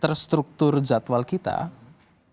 semakin terstruktur jadwal kerja ini ya